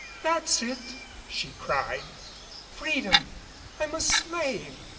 "That's it," she cried. "Freedom I'm a slave.